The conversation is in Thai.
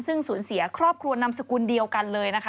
ซึ่งสูญเสียครอบครัวนามสกุลเดียวกันเลยนะคะ